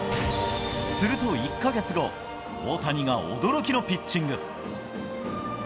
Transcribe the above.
すると１か月後、大谷が驚きのピッチング。